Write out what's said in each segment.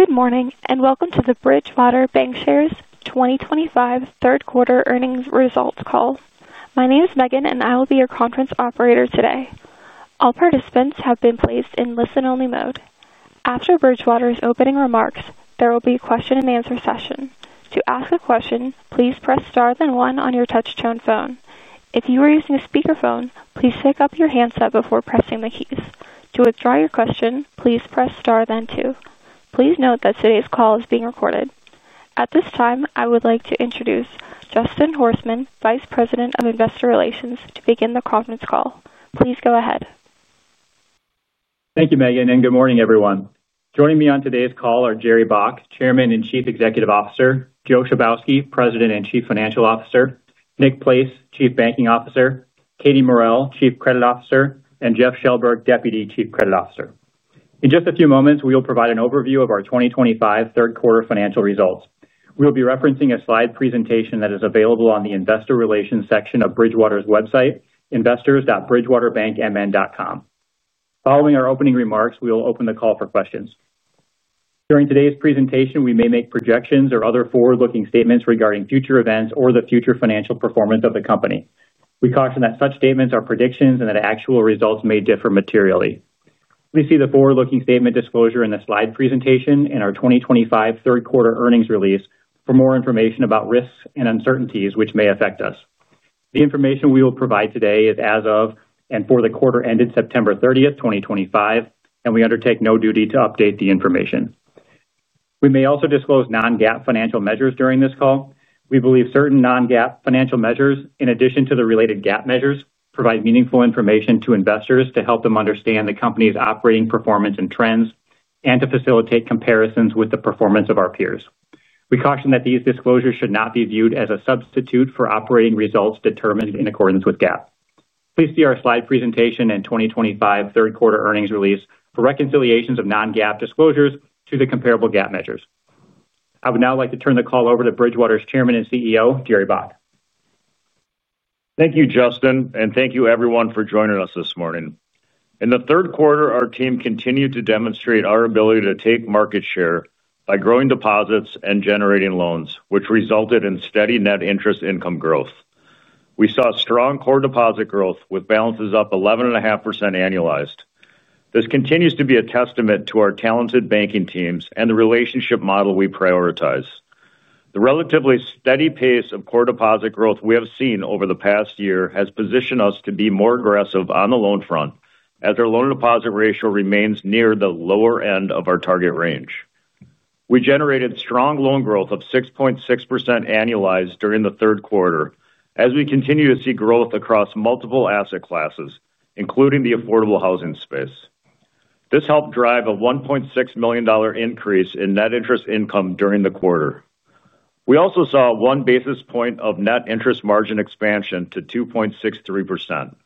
Good morning and welcome to the Bridgewater Bancshares 2025 third quarter earnings results call. My name is Megan, and I will be your conference operator today. All participants have been placed in listen-only mode. After Bridgewater's opening remarks, there will be a question and answer session. To ask a question, please press star then one on your touch-tone phone. If you are using a speaker phone, please pick up your handset before pressing the keys. To withdraw your question, please press star then two. Please note that today's call is being recorded. At this time, I would like to introduce Justin Horstman, Vice President of Investor Relations, to begin the conference call. Please go ahead. Thank you, Megan, and good morning, everyone. Joining me on today's call are Jerry Baack, Chairman and Chief Executive Officer, Joe Chybowski, President and Chief Financial Officer, Nick Place, Chief Banking Officer, Katie Morrell, Chief Credit Officer, and Jeff Shellberg, Deputy Chief Credit Officer. In just a few moments, we will provide an overview of our 2025 third quarter financial results. We will be referencing a slide presentation that is available on the Investor Relations section of Bridgewater's website, investors.bridgewaterbankmn.com. Following our opening remarks, we will open the call for questions. During today's presentation, we may make projections or other forward-looking statements regarding future events or the future financial performance of the company. We caution that such statements are predictions and that actual results may differ materially. Please see the forward-looking statement disclosure in the slide presentation and our 2025 third quarter earnings release for more information about risks and uncertainties which may affect us. The information we will provide today is as of and for the quarter ended September 30, 2025, and we undertake no duty to update the information. We may also disclose non-GAAP financial measures during this call. We believe certain non-GAAP financial measures, in addition to the related GAAP measures, provide meaningful information to investors to help them understand the company's operating performance and trends and to facilitate comparisons with the performance of our peers. We caution that these disclosures should not be viewed as a substitute for operating results determined in accordance with GAAP. Please see our slide presentation and 2025 third quarter earnings release for reconciliations of non-GAAP disclosures to the comparable GAAP measures. I would now like to turn the call over to Bridgewater's Chairman and CEO, Jerry Baack. Thank you, Justin, and thank you, everyone, for joining us this morning. In the third quarter, our team continued to demonstrate our ability to take market share by growing deposits and generating loans, which resulted in steady net interest income growth. We saw strong core deposit growth, with balances up 11.5% annualized. This continues to be a testament to our talented banking teams and the relationship model we prioritize. The relatively steady pace of core deposit growth we have seen over the past year has positioned us to be more aggressive on the loan front, as our loan-to-deposit ratio remains near the lower end of our target range. We generated strong loan growth of 6.6% annualized during the third quarter, as we continue to see growth across multiple asset classes, including the affordable housing space. This helped drive a $1.6 million increase in net interest income during the quarter. We also saw 1 basis point of net interest margin expansion to 2.63%.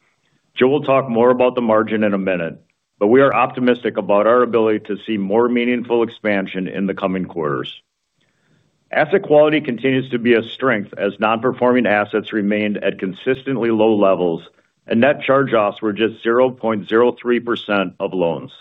Joe will talk more about the margin in a minute, but we are optimistic about our ability to see more meaningful expansion in the coming quarters. Asset quality continues to be a strength, as non-performing assets remained at consistently low levels and net charge-offs were just 0.03% of loans.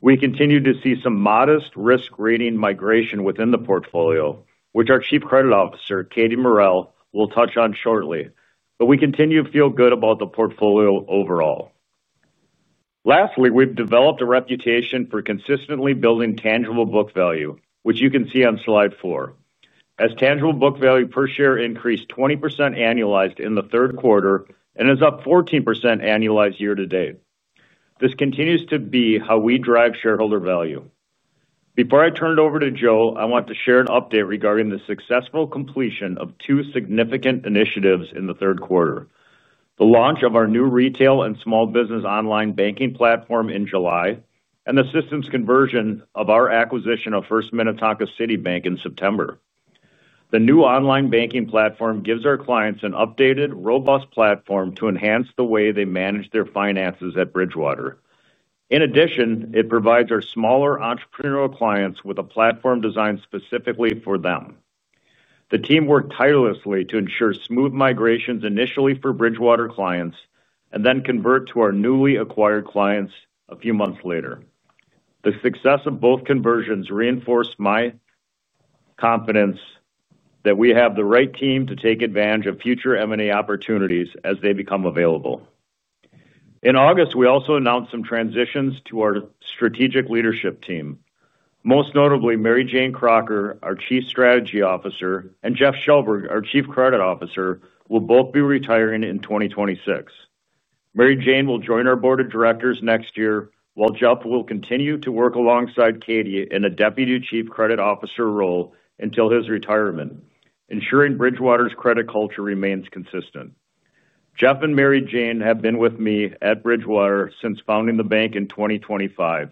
We continue to see some modest risk rating migration within the portfolio, which our Chief Credit Officer, Katie Morrell, will touch on shortly, but we continue to feel good about the portfolio overall. Lastly, we've developed a reputation for consistently building tangible book value, which you can see on slide four, as tangible book value per share increased 20% annualized in the third quarter and is up 14% annualized year to date. This continues to be how we drive shareholder value. Before I turn it over to Joe, I want to share an update regarding the successful completion of two significant initiatives in the third quarter: the launch of our new retail and small business online banking platform in July and the systems conversion of our acquisition of First Minnetonka City Bank in September. The new online banking platform gives our clients an updated, robust platform to enhance the way they manage their finances at Bridgewater. In addition, it provides our smaller entrepreneurial clients with a platform designed specifically for them. The team worked tirelessly to ensure smooth migrations initially for Bridgewater clients and then convert to our newly acquired clients a few months later. The success of both conversions reinforced my confidence that we have the right team to take advantage of future M&A opportunities as they become available. In August, we also announced some transitions to our strategic leadership team. Most notably, Mary Jayne Crocker, our Chief Strategy Officer, and Jeff Shellberg, our Chief Credit Officer, will both be retiring in 2026. Mary Jayne will join our Board of Directors next year, while Jeff will continue to work alongside Katie in a Deputy Chief Credit Officer role until his retirement, ensuring Bridgewater's credit culture remains consistent. Jeff and Mary Jayne have been with me at Bridgewater since founding the bank in 2005.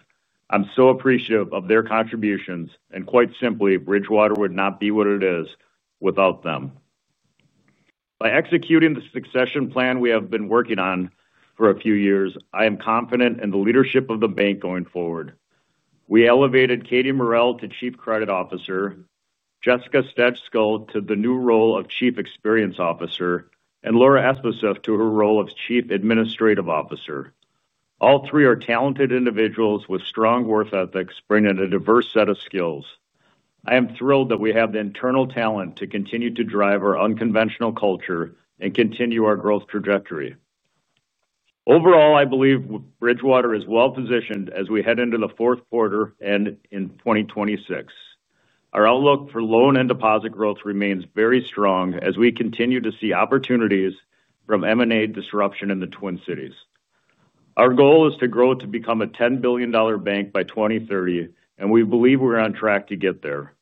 I'm so appreciative of their contributions, and quite simply, Bridgewater would not be what it is without them. By executing the succession plan we have been working on for a few years, I am confident in the leadership of the bank going forward. We elevated Katie Morrell to Chief Credit Officer, Jessica Stejskal to the new role of Chief Experience Officer, and Laura Espeseth to her role of Chief Administrative Officer. All three are talented individuals with strong work ethics bringing a diverse set of skills. I am thrilled that we have the internal talent to continue to drive our unconventional culture and continue our growth trajectory. Overall, I believe Bridgewater is well positioned as we head into the fourth quarter and in 2026. Our outlook for loan and deposit growth remains very strong as we continue to see opportunities from M&A disruption in the Twin Cities. Our goal is to grow to become a $10 billion bank by 2030, and we believe we're on track to get there.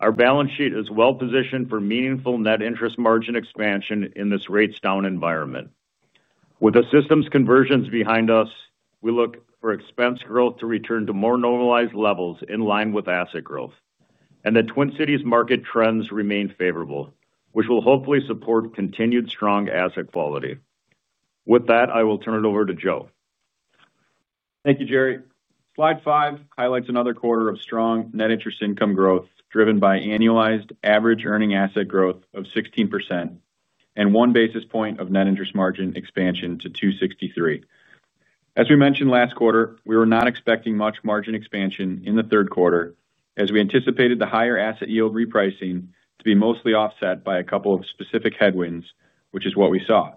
Our balance sheet is well positioned for meaningful net interest margin expansion in this rates-down environment. With the systems conversions behind us, we look for expense growth to return to more normalized levels in line with asset growth, and the Twin Cities market trends remain favorable, which will hopefully support continued strong asset quality. With that, I will turn it over to Joe. Thank you, Jerry. Slide five highlights another quarter of strong net interest income growth driven by annualized average earning asset growth of 16% and 1 basis point of net interest margin expansion to 2.63%. As we mentioned last quarter, we were not expecting much margin expansion in the third quarter, as we anticipated the higher asset yield repricing to be mostly offset by a couple of specific headwinds, which is what we saw.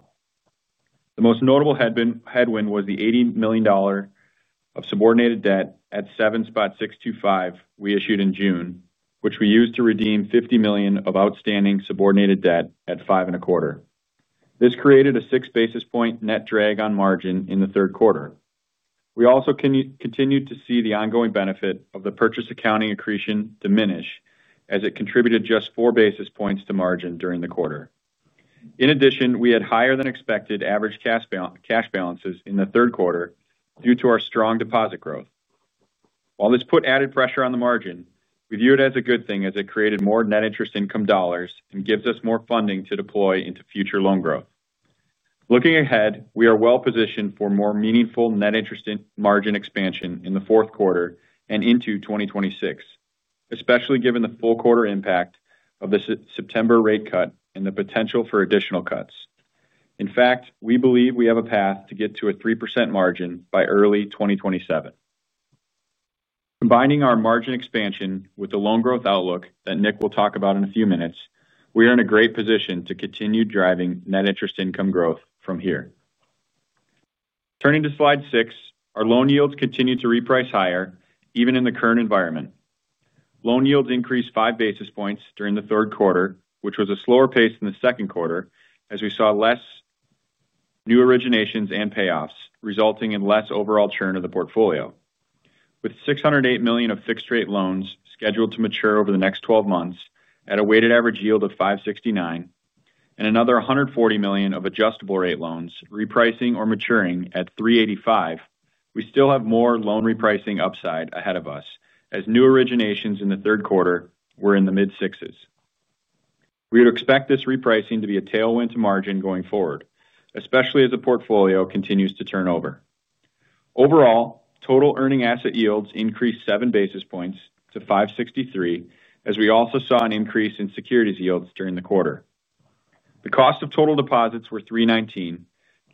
The most notable headwind was the $80 million of subordinated debt at 7.625% we issued in June, which we used to redeem $50 million of outstanding subordinated debt at 5.25%. This created a six basis point net drag on margin in the third quarter. We also continued to see the ongoing benefit of the purchase accounting accretion diminish, as it contributed just four basis points to margin during the quarter. In addition, we had higher than expected average cash balances in the third quarter due to our strong deposit growth. While this put added pressure on the margin, we view it as a good thing as it created more net interest income dollars and gives us more funding to deploy into future loan growth. Looking ahead, we are well positioned for more meaningful net interest and margin expansion in the fourth quarter and into 2026, especially given the full quarter impact of the September rate cut and the potential for additional cuts. In fact, we believe we have a path to get to a 3% margin by early 2027. Combining our margin expansion with the loan growth outlook that Nick will talk about in a few minutes, we are in a great position to continue driving net interest income growth from here. Turning to slide six, our loan yields continue to reprice higher, even in the current environment. Loan yields increased five basis points during the third quarter, which was a slower pace than the second quarter, as we saw less new originations and payoffs, resulting in less overall churn of the portfolio. With $608 million of fixed-rate loans scheduled to mature over the next 12 months at a weighted average yield of 5.69%, and another $140 million of adjustable-rate loans repricing or maturing at 3.85%, we still have more loan repricing upside ahead of us, as new originations in the third quarter were in the mid-sixes. We would expect this repricing to be a tailwind to margin going forward, especially as the portfolio continues to turn over. Overall, total earning asset yields increased seven basis points to 5.63%, as we also saw an increase in securities yields during the quarter. The cost of total deposits was 3.19%,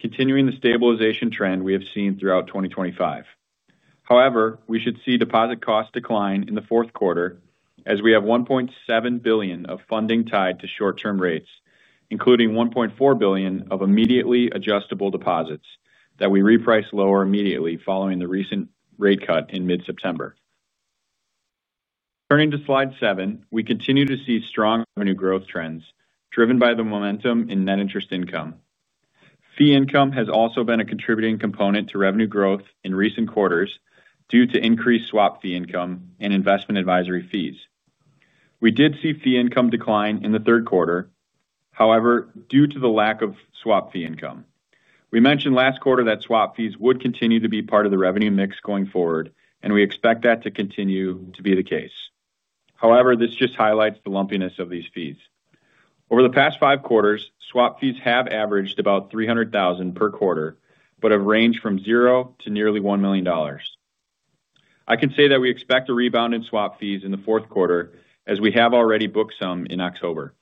continuing the stabilization trend we have seen throughout 2025. However, we should see deposit costs decline in the fourth quarter, as we have $1.7 billion of funding tied to short-term rates, including $1.4 billion of immediately adjustable deposits that we repriced lower immediately following the recent rate cut in mid-September. Turning to slide seven, we continue to see strong revenue growth trends driven by the momentum in net interest income. Fee income has also been a contributing component to revenue growth in recent quarters due to increased swap fee income and investment advisory fees. We did see fee income decline in the third quarter, however, due to the lack of swap fee income. We mentioned last quarter that swap fees would continue to be part of the revenue mix going forward, and we expect that to continue to be the case. However, this just highlights the lumpiness of these fees. Over the past five quarters, swap fees have averaged about $300,000 per quarter, but have ranged from $0 to nearly $1 million. I can say that we expect a rebound in swap fees in the fourth quarter, as we have already booked some in October.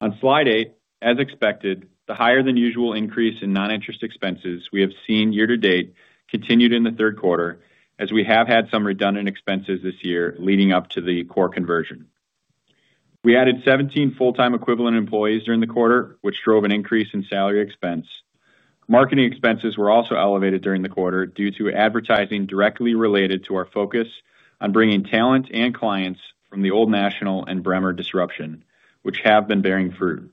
On Slide 8, as expected, the higher-than-usual increase in non-interest expenses we have seen year to date continued in the third quarter, as we have had some redundant expenses this year leading up to the core conversion. We added 17 full-time equivalent employees during the quarter, which drove an increase in salary expense. Marketing expenses were also elevated during the quarter due to advertising directly related to our focus on bringing talent and clients from the Old National and Bremer Bank disruption, which have been bearing fruit.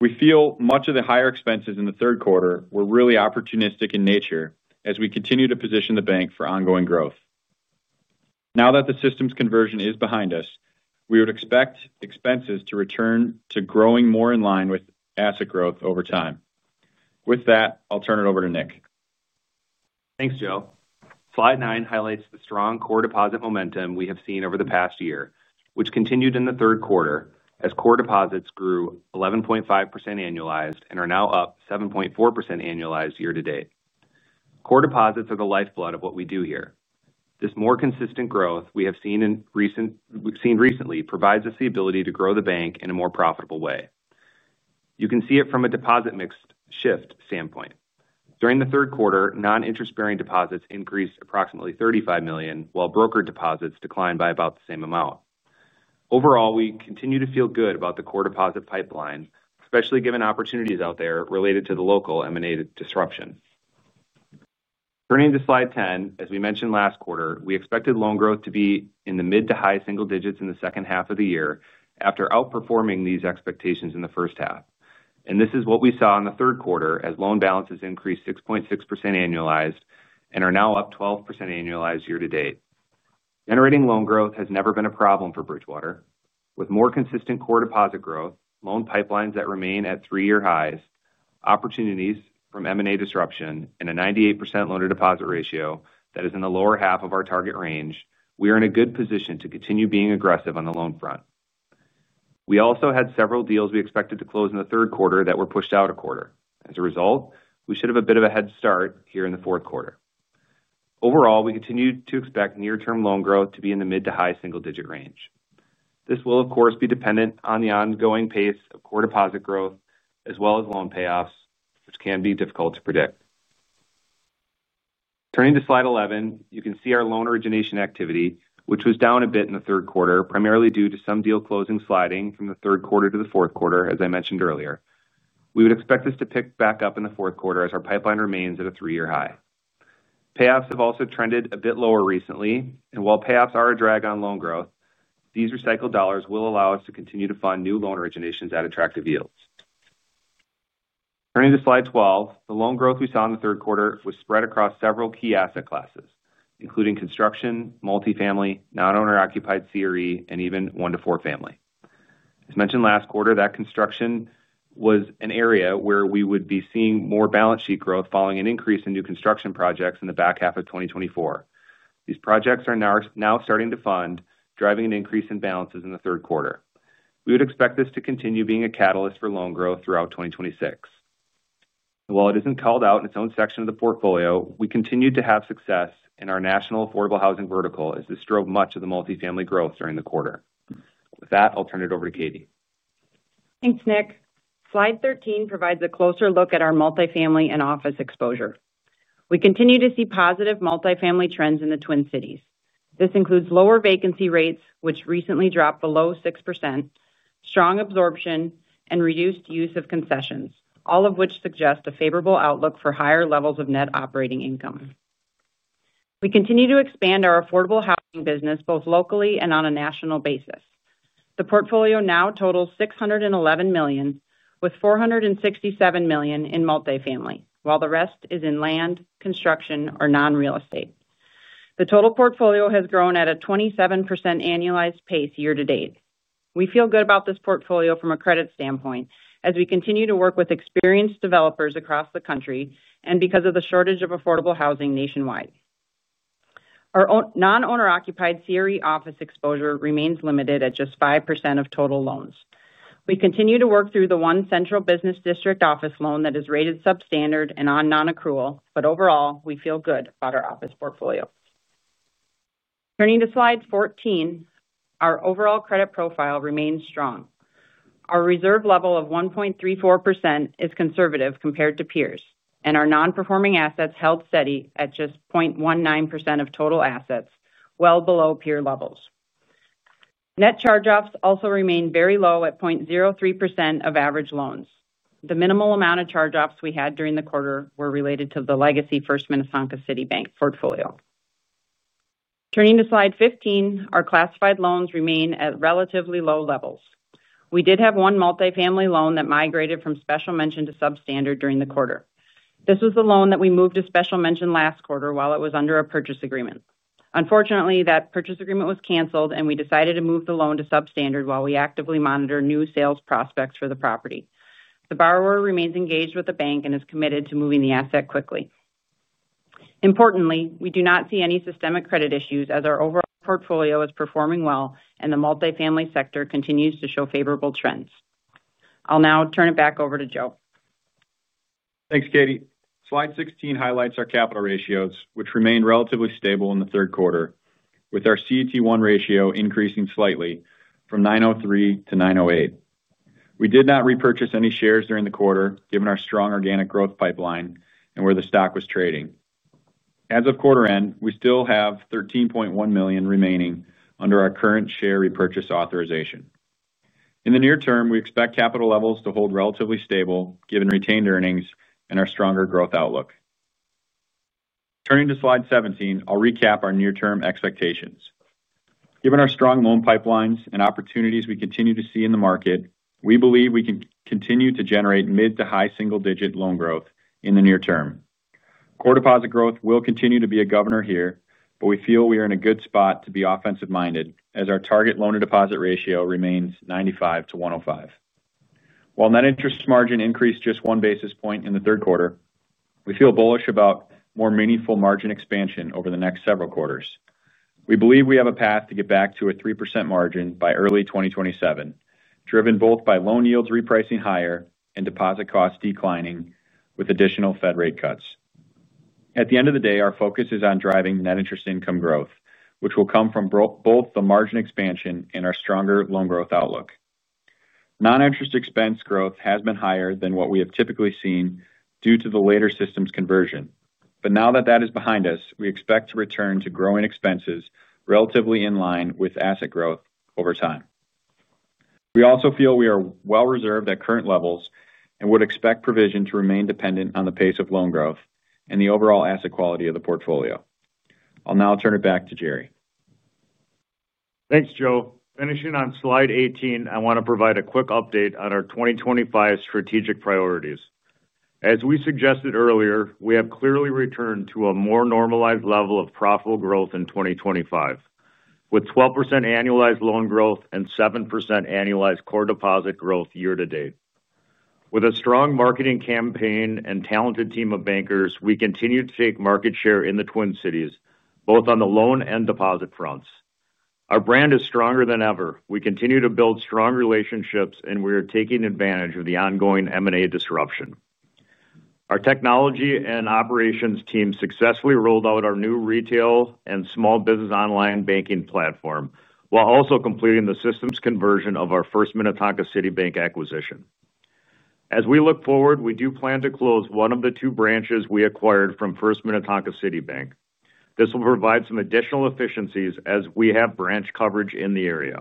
We feel much of the higher expenses in the third quarter were really opportunistic in nature, as we continue to position the bank for ongoing growth. Now that the systems conversion is behind us, we would expect expenses to return to growing more in line with asset growth over time. With that, I'll turn it over to Nick. Thanks, Joe. Slide nine highlights the strong core deposit momentum we have seen over the past year, which continued in the third quarter as core deposits grew 11.5% annualized and are now up 7.4% annualized year to date. Core deposits are the lifeblood of what we do here. This more consistent growth we have seen recently provides us the ability to grow the bank in a more profitable way. You can see it from a deposit mix shift standpoint. During the third quarter, non-interest-bearing deposits increased approximately $35 million, while brokered deposits declined by about the same amount. Overall, we continue to feel good about the core deposit pipeline, especially given opportunities out there related to the local M&A disruption. Turning to Slide 10, as we mentioned last quarter, we expected loan growth to be in the mid to high single digits in the second half of the year after outperforming these expectations in the first half. This is what we saw in the third quarter as loan balances increased 6.6% annualized and are now up 12% annualized year to date. Generating loan growth has never been a problem for Bridgewater. With more consistent core deposit growth, loan pipelines that remain at three-year highs, opportunities from M&A disruption, and a 98% loan-to-deposit ratio that is in the lower half of our target range, we are in a good position to continue being aggressive on the loan front. We also had several deals we expected to close in the third quarter that were pushed out a quarter. As a result, we should have a bit of a head start here in the fourth quarter. Overall, we continue to expect near-term loan growth to be in the mid to high single-digit range. This will, of course, be dependent on the ongoing pace of core deposit growth, as well as loan payoffs, which can be difficult to predict. Turning to Slide 11, you can see our loan origination activity, which was down a bit in the third quarter, primarily due to some deal closing sliding from the third quarter to the fourth quarter, as I mentioned earlier. We would expect this to pick back up in the fourth quarter as our pipeline remains at a three-year high. Payoffs have also trended a bit lower recently, and while payoffs are a drag on loan growth, these recycled dollars will allow us to continue to fund new loan originations at attractive yields. Turning to Slide 12, the loan growth we saw in the third quarter was spread across several key asset classes, including construction, multifamily, non-owner occupied CRE, and even one to four family. As mentioned last quarter, that construction was an area where we would be seeing more balance sheet growth following an increase in new construction projects in the back half of 2024. These projects are now starting to fund, driving an increase in balances in the third quarter. We would expect this to continue being a catalyst for loan growth throughout 2026. While it isn't called out in its own section of the portfolio, we continued to have success in our national affordable housing vertical as this drove much of the multifamily growth during the quarter. With that, I'll turn it over to Katie. Thanks, Nick. Slide 13 provides a closer look at our multifamily and office exposure. We continue to see positive multifamily trends in the Twin Cities. This includes lower vacancy rates, which recently dropped below 6%, strong absorption, and reduced use of concessions, all of which suggest a favorable outlook for higher levels of net operating income. We continue to expand our affordable housing business both locally and on a national basis. The portfolio now totals $611 million, with $467 million in multifamily, while the rest is in land, construction, or non-real estate. The total portfolio has grown at a 27% annualized pace year to date. We feel good about this portfolio from a credit standpoint, as we continue to work with experienced developers across the country and because of the shortage of affordable housing nationwide. Our non-owner occupied CRE office exposure remains limited at just 5% of total loans. We continue to work through the one central business district office loan that is rated substandard and on non-accrual, but overall, we feel good about our office portfolio. Turning to Slide 14, our overall credit profile remains strong. Our reserve level of 1.34% is conservative compared to peers, and our non-performing assets held steady at just 0.19% of total assets, well below peer levels. Net charge-offs also remain very low at 0.03% of average loans. The minimal amount of charge-offs we had during the quarter were related to the legacy First Minnetonka City Bank portfolio. Turning to Slide 15, our classified loans remain at relatively low levels. We did have one multifamily loan that migrated from special mention to substandard during the quarter. This was the loan that we moved to special mention last quarter while it was under a purchase agreement. Unfortunately, that purchase agreement was canceled, and we decided to move the loan to substandard while we actively monitor new sales prospects for the property. The borrower remains engaged with the bank and is committed to moving the asset quickly. Importantly, we do not see any systemic credit issues as our overall portfolio is performing well, and the multifamily sector continues to show favorable trends. I'll now turn it back over to Joe. Thanks, Katie. Slide 16 highlights our capital ratios, which remain relatively stable in the third quarter, with our CET1 ratio increasing slightly from 9.03% to 9.08%. We did not repurchase any shares during the quarter, given our strong organic growth pipeline and where the stock was trading. As of quarter end, we still have $13.1 million remaining under our current share repurchase authorization. In the near term, we expect capital levels to hold relatively stable, given retained earnings and our stronger growth outlook. Turning to Slide 17, I'll recap our near-term expectations. Given our strong loan pipelines and opportunities we continue to see in the market, we believe we can continue to generate mid to high single-digit loan growth in the near term. Core deposit growth will continue to be a governor here, but we feel we are in a good spot to be offensive-minded, as our target loan-to-deposit ratio remains 95%-105%. While net interest margin increased just one basis point in the third quarter, we feel bullish about more meaningful margin expansion over the next several quarters. We believe we have a path to get back to a 3% margin by early 2027, driven both by loan yields repricing higher and deposit costs declining with additional Fed rate cuts. At the end of the day, our focus is on driving net interest income growth, which will come from both the margin expansion and our stronger loan growth outlook. Non-interest expense growth has been higher than what we have typically seen due to the later systems conversion, but now that that is behind us, we expect to return to growing expenses relatively in line with asset growth over time. We also feel we are well-reserved at current levels and would expect provision to remain dependent on the pace of loan growth and the overall asset quality of the portfolio. I'll now turn it back to Jerry. Thanks, Joe. Finishing on Slide 18, I want to provide a quick update on our 2025 strategic priorities. As we suggested earlier, we have clearly returned to a more normalized level of profitable growth in 2025, with 12% annualized loan growth and 7% annualized core deposit growth year to date. With a strong marketing campaign and talented team of bankers, we continue to take market share in the Twin Cities, both on the loan and deposit fronts. Our brand is stronger than ever. We continue to build strong relationships, and we are taking advantage of the ongoing M&A disruption. Our technology and operations team successfully rolled out our new retail and small business online banking platform, while also completing the systems conversion of our First Minnetonka City Bank acquisition. As we look forward, we do plan to close one of the two branches we acquired from First Minnetonka City Bank. This will provide some additional efficiencies as we have branch coverage in the area.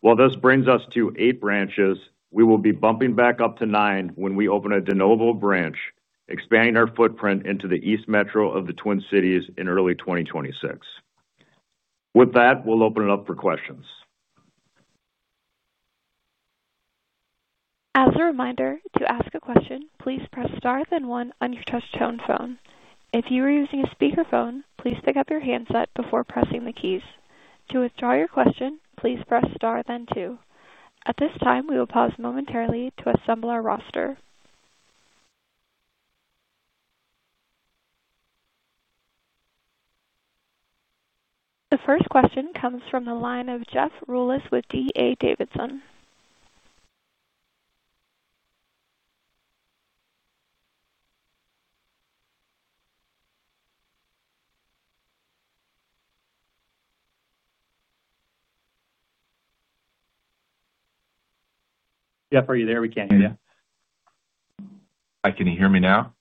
While this brings us to eight branches, we will be bumping back up to nine when we open a de novo branch, expanding our footprint into the east metro of the Twin Cities in early 2026. With that, we'll open it up for questions. As a reminder, to ask a question, please press star then one on your touch-tone phone. If you are using a speaker phone, please pick up your handset before pressing the keys. To withdraw your question, please press star then two. At this time, we will pause momentarily to assemble our roster. The first question comes from the line of Jeff Rulis with DA Davidson. Jeff, are you there? We can't hear you. Hi, can you hear me now?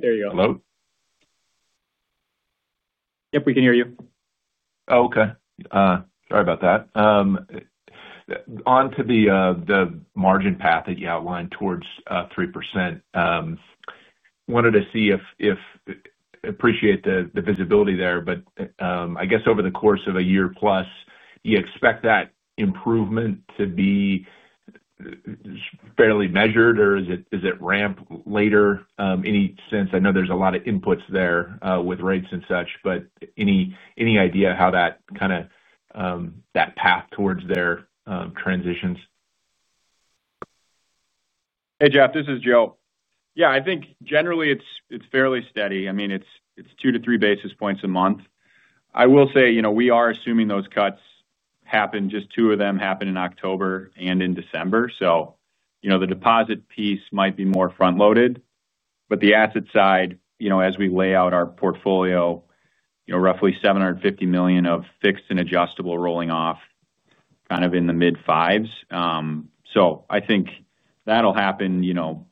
There you go. Hello? Yep, we can hear you. Okay, sorry about that. Onto the margin path that you outlined towards 3%. Wanted to see if, appreciate the visibility there, but I guess over the course of a year plus, do you expect that improvement to be fairly measured, or is it ramp later? Any sense? I know there's a lot of inputs there, with rates and such, but any idea how that kind of path towards there transitions? Hey, Jeff, this is Joe. I think generally it's fairly steady. I mean, it's two to three basis points a month. I will say we are assuming those cuts happen, just two of them happen in October and in December. The deposit piece might be more front-loaded, but the asset side, as we lay out our portfolio, roughly $750 million of fixed and adjustable rolling off kind of in the mid-fives. I think that'll happen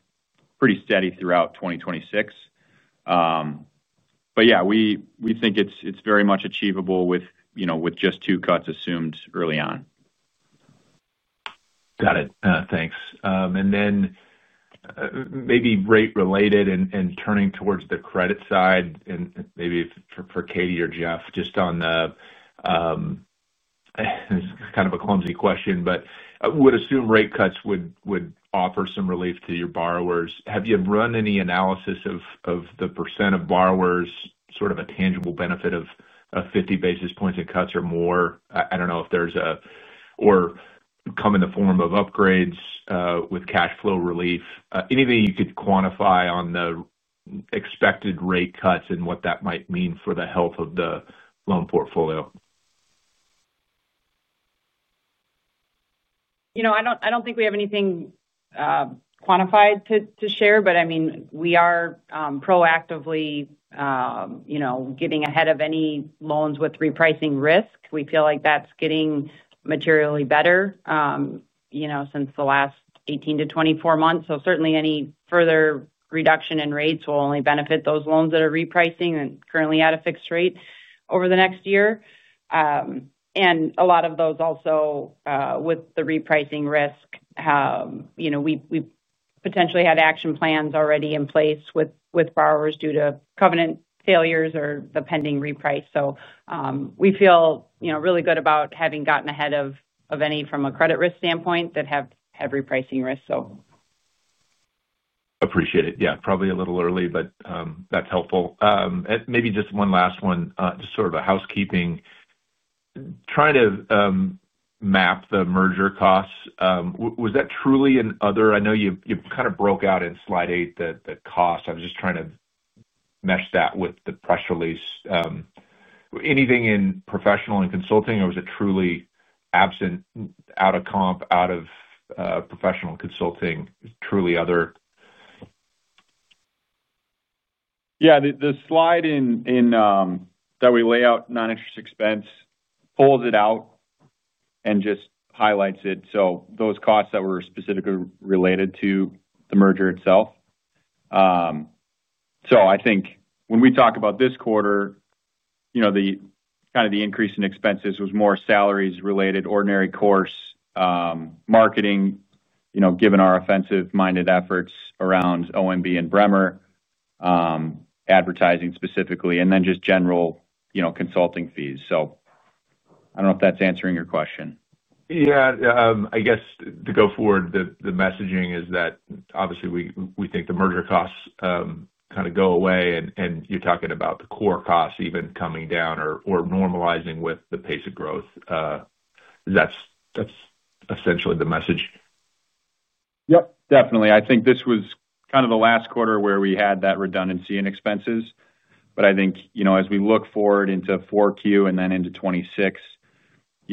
pretty steady throughout 2026. We think it's very much achievable with just two cuts assumed early on. Got it. Thanks. Maybe rate-related and turning towards the credit side, maybe for Katie or Jeff, just on the, it's kind of a clumsy question, but I would assume rate cuts would offer some relief to your borrowers. Have you run any analysis of the percent of borrowers, sort of a tangible benefit of 50 basis points in cuts or more? I don't know if there's a, or come in the form of upgrades with cash flow relief. Anything you could quantify on the expected rate cuts and what that might mean for the health of the loan portfolio? I don't think we have anything quantified to share, but we are proactively getting ahead of any loans with repricing risk. We feel like that's getting materially better since the last 18 to 24 months. Certainly, any further reduction in rates will only benefit those loans that are repricing and currently at a fixed rate over the next year. A lot of those also, with the repricing risk, we potentially had action plans already in place with borrowers due to covenant failures or the pending reprice. We feel really good about having gotten ahead of any from a credit risk standpoint that have had repricing risks. Appreciate it. Yeah, probably a little early, but that's helpful. Maybe just one last one, just sort of a housekeeping. Trying to map the merger costs. Was that truly in other? I know you've kind of broke out in slide eight that cost. I was just trying to mesh that with the press release. Anything in professional and consulting, or was it truly absent out of comp, out of professional consulting? Truly other? Yeah, the slide that we lay out, non-interest expense, pulls it out and just highlights it. Those costs that were specifically related to the merger itself. I think when we talk about this quarter, the increase in expenses was more salaries related, ordinary course, marketing, given our offensive-minded efforts around Old National and Bremer Bank, advertising specifically, and then just general consulting fees. I don't know if that's answering your question. I guess to go forward, the messaging is that obviously we think the merger costs kind of go away, and you're talking about the core costs even coming down or normalizing with the pace of growth. That's essentially the message. Yep, definitely. I think this was kind of the last quarter where we had that redundancy in expenses.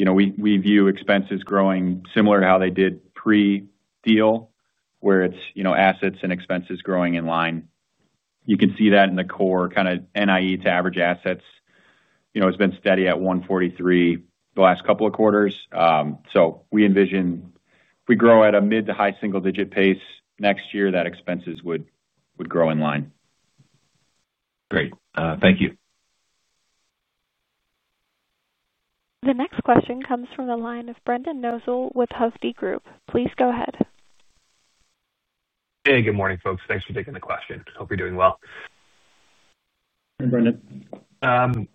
I think, as we look forward into 4Q and then into 2026, we view expenses growing similar to how they did pre-deal, where it's assets and expenses growing in line. You can see that in the core kind of NIE to average assets, which has been steady at 1.43% the last couple of quarters. We envision if we grow at a mid to high single-digit pace next year, that expenses would grow in line. Great. Thank you. The next question comes from the line of Brendan Nosal with Hovde Group. Please go ahead. Hey, good morning, folks. Thanks for taking the question. Hope you're doing well. Hey, Brendan.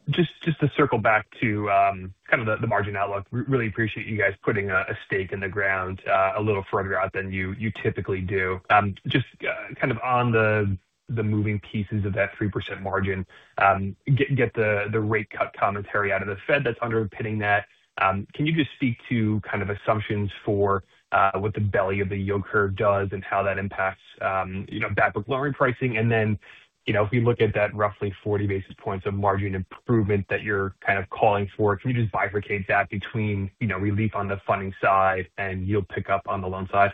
Just to circle back to the margin outlook, really appreciate you guys putting a stake in the ground a little further out than you typically do. Just on the moving pieces of that 3% margin, get the rate cut commentary out of the Federal Reserve that's underpinning that. Can you just speak to assumptions for what the belly of the yield curve does and how that impacts backwards loan repricing? If we look at that roughly 40 basis points of margin improvement that you're calling for, can you bifurcate that between relief on the funding side and yield pickup on the loan side?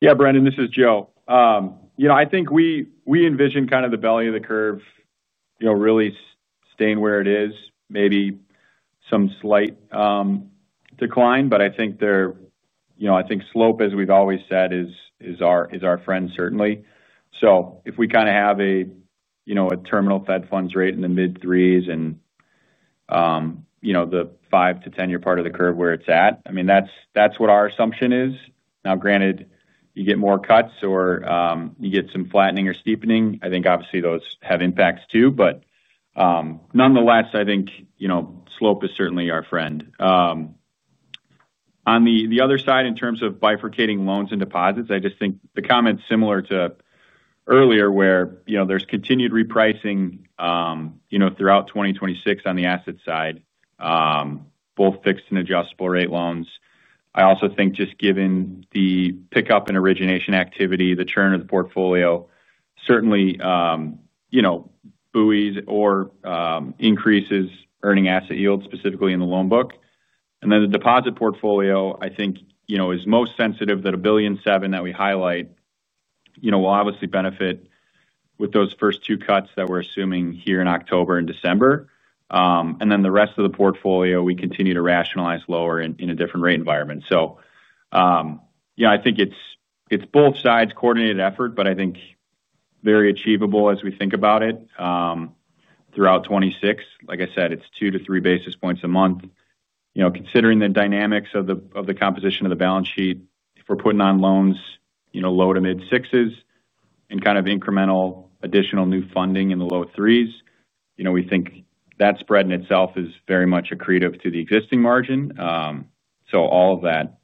Yeah, Brendan, this is Joe. I think we envision kind of the belly of the curve really staying where it is, maybe some slight decline, but I think there, I think slope, as we've always said, is our friend certainly. If we kind of have a terminal Fed funds rate in the mid-threes and the five to ten-year part of the curve where it's at, that's what our assumption is. Now, granted, you get more cuts or you get some flattening or steepening, I think obviously those have impacts too. Nonetheless, I think slope is certainly our friend. On the other side in terms of bifurcating loans and deposits, I just think the comment's similar to earlier where there's continued repricing throughout 2026 on the asset side, both fixed and adjustable rate loans. I also think just given the pickup in origination activity, the churn of the portfolio certainly buoys or increases earning asset yield specifically in the loan book. The deposit portfolio, I think, is most sensitive. That $1.7 billion that we highlight will obviously benefit with those first two cuts that we're assuming here in October and December. The rest of the portfolio we continue to rationalize lower in a different rate environment. I think it's both sides coordinated effort, but I think very achievable as we think about it. Throughout 2026, like I said, it's two to three basis points a month. Considering the dynamics of the composition of the balance sheet, if we're putting on loans low to mid-sixes and kind of incremental additional new funding in the low threes, we think that spread in itself is very much accretive to the existing margin. All of that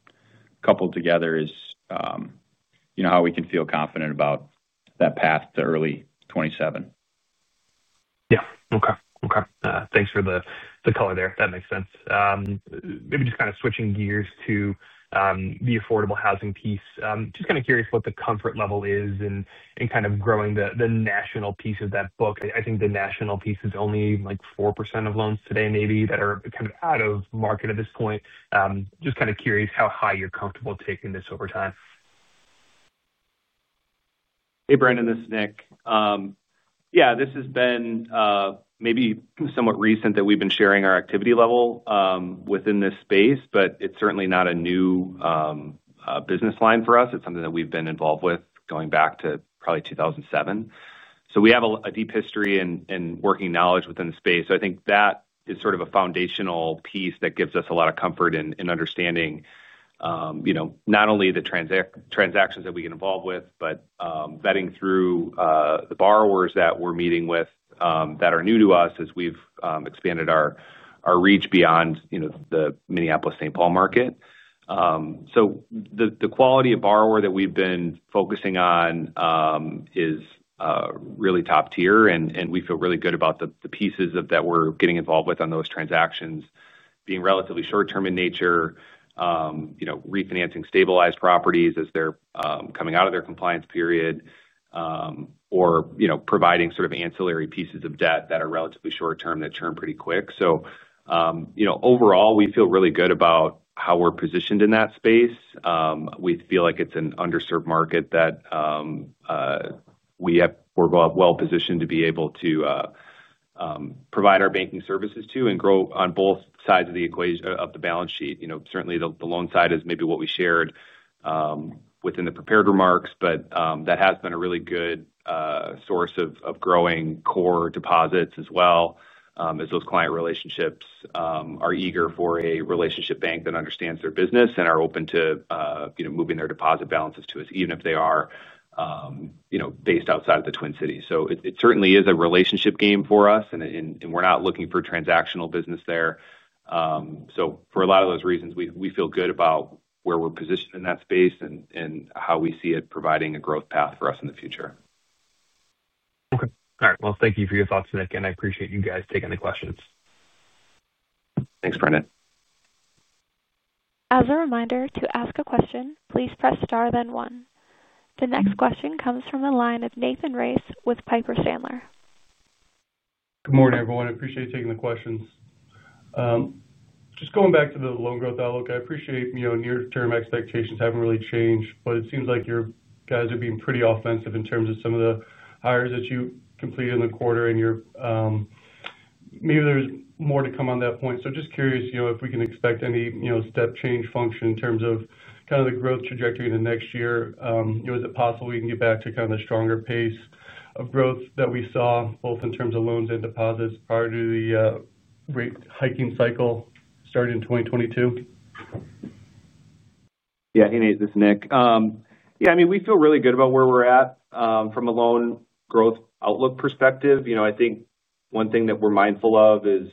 coupled together is how we can feel confident about that path to early 2027. Okay, thanks for the color there. That makes sense. Maybe just kind of switching gears to the affordable housing piece. Just kind of curious what the comfort level is in kind of growing the national piece of that book. I think the national piece is only like 4% of loans today, maybe, that are kind of out of market at this point. Just kind of curious how high you're comfortable taking this over time. Hey, Brendan, this is Nick. This has been maybe somewhat recent that we've been sharing our activity level within this space, but it's certainly not a new business line for us. It's something that we've been involved with going back to probably 2007. We have a deep history and working knowledge within the space. I think that is sort of a foundational piece that gives us a lot of comfort in understanding not only the transactions that we get involved with, but vetting through the borrowers that we're meeting with that are new to us as we've expanded our reach beyond the Twin Cities market. The quality of borrower that we've been focusing on is really top tier and we feel really good about the pieces that we're getting involved with on those transactions being relatively short-term in nature, refinancing stabilized properties as they're coming out of their compliance period, or providing sort of ancillary pieces of debt that are relatively short-term that churn pretty quick. Overall, we feel really good about how we're positioned in that space. We feel like it's an underserved market that we are well positioned to be able to provide our banking services to and grow on both sides of the equation of the balance sheet. Certainly the loan side is maybe what we shared within the prepared remarks, but that has been a really good source of growing core deposits as well, as those client relationships are eager for a relationship bank that understands their business and are open to moving their deposit balances to us, even if they are based outside of the Twin Cities. It certainly is a relationship game for us and we're not looking for transactional business there. For a lot of those reasons, we feel good about where we're positioned in that space and how we see it providing a growth path for us in the future. Okay. All right. Thank you for your thoughts, Nick, and I appreciate you guys taking the questions. Thanks, Brendan. As a reminder, to ask a question, please press star then one. The next question comes from a line of Nathan Race with Piper Sandler. Good morning, everyone. I appreciate you taking the questions. Just going back to the loan growth outlook, I appreciate, you know, near-term expectations haven't really changed, but it seems like you guys are being pretty offensive in terms of some of the hires that you completed in the quarter, and maybe there's more to come on that point. Just curious, you know, if we can expect any, you know, step change function in terms of kind of the growth trajectory in the next year. You know, is it possible we can get back to kind of the stronger pace of growth that we saw both in terms of loans and deposits prior to the rate hiking cycle starting in 2022? Yeah, hey, Nick. Yeah, I mean, we feel really good about where we're at from a loan growth outlook perspective. I think one thing that we're mindful of is,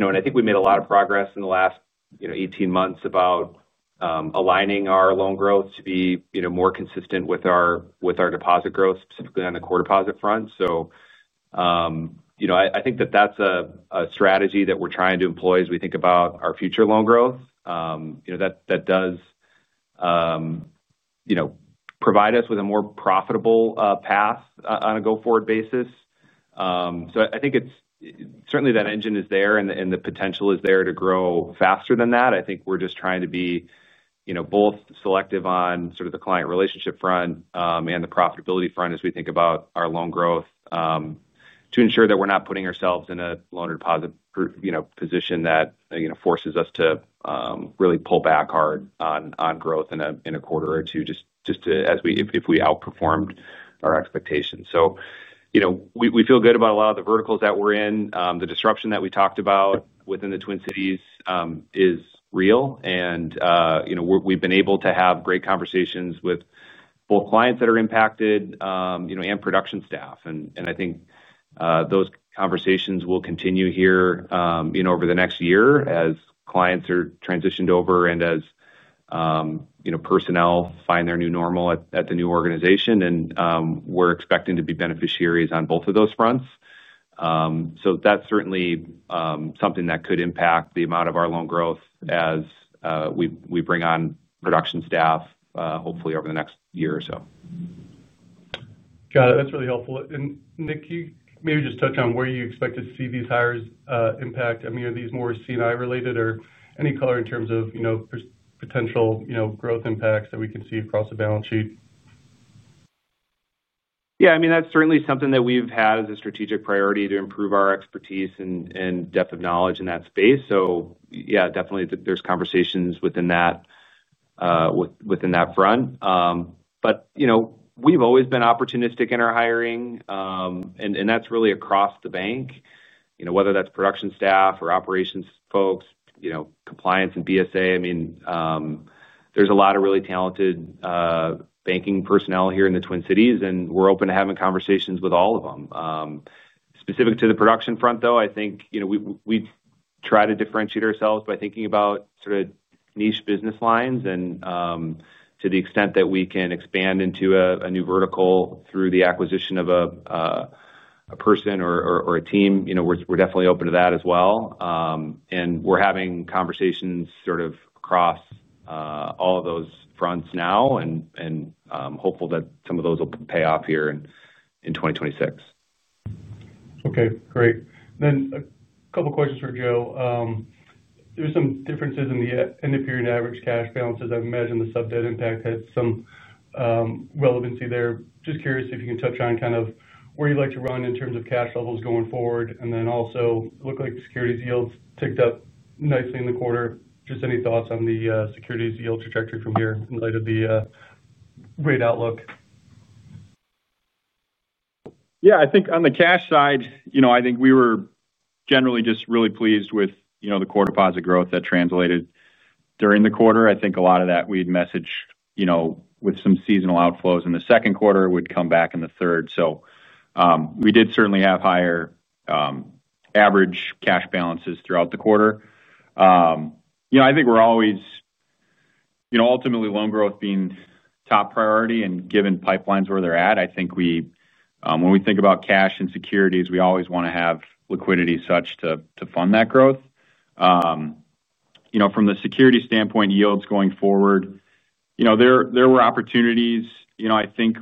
and I think we made a lot of progress in the last 18 months about aligning our loan growth to be more consistent with our deposit growth, specifically on the core deposit front. I think that that's a strategy that we're trying to employ as we think about our future loan growth. That does provide us with a more profitable path on a go-forward basis. I think it's certainly that engine is there and the potential is there to grow faster than that. I think we're just trying to be both selective on sort of the client relationship front and the profitability front as we think about our loan growth, to ensure that we're not putting ourselves in a loan or deposit position that forces us to really pull back hard on growth in a quarter or two, just as we, if we outperformed our expectations. We feel good about a lot of the verticals that we're in. The disruption that we talked about within the Twin Cities is real. We've been able to have great conversations with both clients that are impacted and production staff. I think those conversations will continue here over the next year as clients are transitioned over and as personnel find their new normal at the new organization. We're expecting to be beneficiaries on both of those fronts. That's certainly something that could impact the amount of our loan growth as we bring on production staff, hopefully over the next year or so. Got it. That's really helpful. Nick, can you maybe just touch on where you expect to see these hires impact? I mean, are these more C&I related or any color in terms of potential growth impacts that we can see across the balance sheet? Yeah, I mean, that's certainly something that we've had as a strategic priority to improve our expertise and depth of knowledge in that space. Yeah, definitely there's conversations within that, within that front. You know, we've always been opportunistic in our hiring, and that's really across the bank. You know, whether that's production staff or operations folks, compliance and BSA, there's a lot of really talented banking personnel here in the Twin Cities, and we're open to having conversations with all of them. Specific to the production front, though, I think we try to differentiate ourselves by thinking about sort of niche business lines. To the extent that we can expand into a new vertical through the acquisition of a person or a team, we're definitely open to that as well. We're having conversations sort of across all of those fronts now and hopeful that some of those will pay off here in 2026. Okay, great. A couple of questions for Joe. There are some differences in the NFP and average cash balances. I imagine the sub-debt impact had some relevancy there. Just curious if you can touch on kind of where you'd like to run in terms of cash levels going forward. It also looked like the securities yields ticked up nicely in the quarter. Just any thoughts on the securities yield trajectory from here in light of the rate outlook? Yeah, I think on the cash side, I think we were generally just really pleased with the core deposit growth that translated during the quarter. I think a lot of that we'd messaged with some seasonal outflows in the second quarter, it would come back in the third. We did certainly have higher average cash balances throughout the quarter. I think we're always ultimately loan growth being top priority and given pipelines where they're at, I think we, when we think about cash and securities, we always want to have liquidity such to fund that growth. From the security standpoint, yields going forward, there were opportunities, I think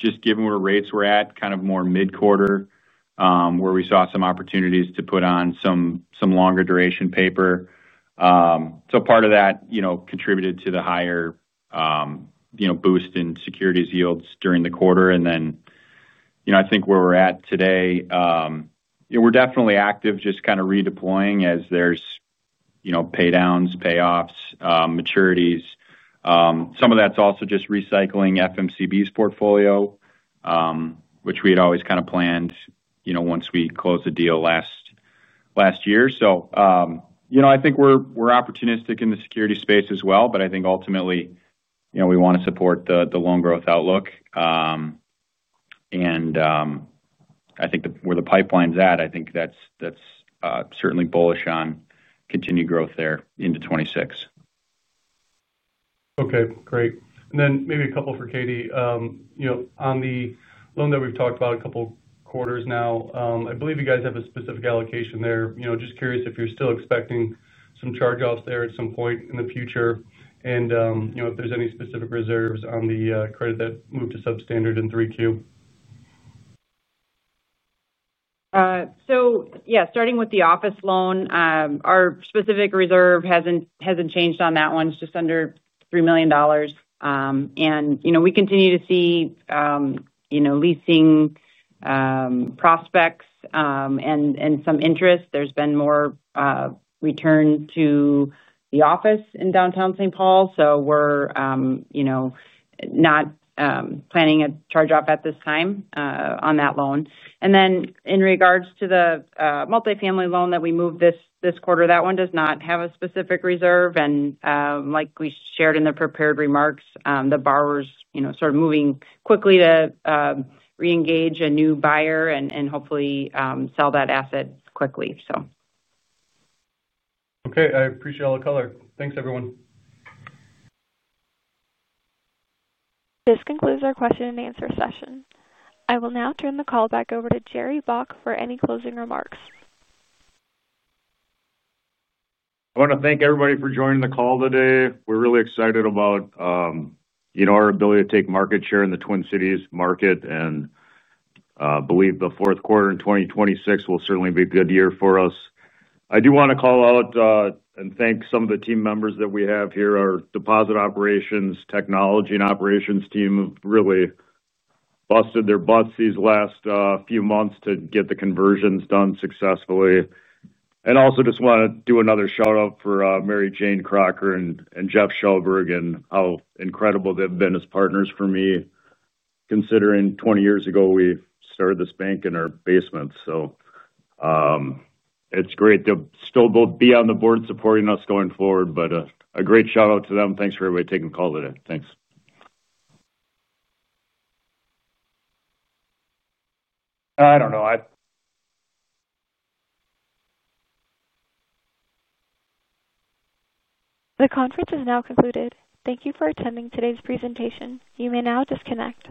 just given where rates were at kind of more mid-quarter, where we saw some opportunities to put on some longer duration paper. Part of that contributed to the higher boost in securities yields during the quarter. I think where we're at today, we're definitely active just kind of redeploying as there's paydowns, payoffs, maturities. Some of that's also just recycling First Minnetonka City Bank's portfolio, which we had always kind of planned once we closed the deal last year. I think we're opportunistic in the security space as well, but I think ultimately we want to support the loan growth outlook. I think where the pipeline's at, I think that's certainly bullish on continued growth there into 2026. Okay, great. Maybe a couple for Katie. On the loan that we've talked about a couple quarters now, I believe you guys have a specific allocation there. Just curious if you're still expecting some charge-offs there at some point in the future, and if there's any specific reserves on the credit that moved to substandard in 3Q. Yeah, starting with the office loan, our specific reserve hasn't changed on that one. It's just under $3 million, and we continue to see leasing prospects and some interest. There's been more return to the office in downtown St. Paul. We're not planning a charge-off at this time on that loan. In regards to the multifamily loan that we moved this quarter, that one does not have a specific reserve. Like we shared in the prepared remarks, the borrower's sort of moving quickly to re-engage a new buyer and hopefully sell that asset quickly. Okay, I appreciate all the color. Thanks, everyone. This concludes our question and answer session. I will now turn the call back over to Jerry Baack for any closing remarks. I want to thank everybody for joining the call today. We're really excited about, you know, our ability to take market share in the Twin Cities market and believe the fourth quarter in 2026 will certainly be a good year for us. I do want to call out and thank some of the team members that we have here. Our deposit operations, technology, and operations team have really busted their butts these last few months to get the conversions done successfully. I also just want to do another shout-out for Mary Jayne Crocker and Jeff Shellberg and how incredible they've been as partners for me, considering 20 years ago we started this bank in our basement. It's great to still both be on the board and supporting us going forward, but a great shout-out to them. Thanks for everybody taking the call today. Thanks. I don't know. The conference is now concluded. Thank you for attending today's presentation. You may now disconnect.